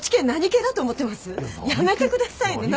やめてくださいね。